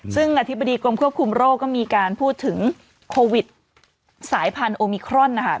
ซึ่งอธิบดีกรมควบคุมโรคก็มีการพูดถึงโควิดสายพันธุมิครอนนะคะ